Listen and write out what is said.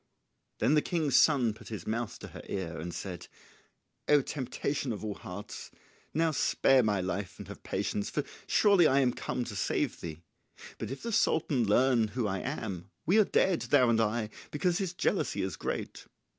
Then the king's son put his mouth to her ear and said "O temptation of all hearts, now spare my life and have patience, for surely I am come to save thee; but if the Sultan learn who I am we are dead, thou and I, because his jealousy is great."